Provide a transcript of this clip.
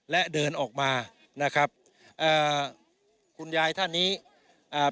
และเดินออกมานะครับอ่าคุณยายท่านนี้อ่า